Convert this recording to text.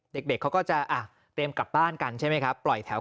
เด็กเขาก็จะเตรียมกลับบ้านกันใช่ไหมครับปล่อยแถว